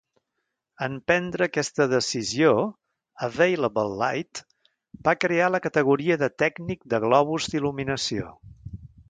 En prendre aquesta decisió, Available Light va crear la categoria de tècnic de globus d'il·luminació.